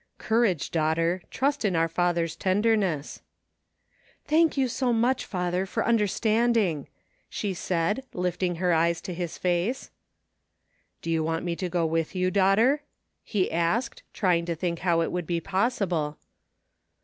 " Courage, daughter ! Trust in our Father's tenderness/* " Thank you so much, father, for understanding,'' she said, lifting her eyes to his face. " You will want me to go with you, daughter ?" he asked, trying to think how it would be possible.